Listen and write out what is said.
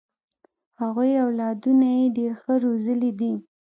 هغوی اولادونه یې ډېر ښه روزلي دي.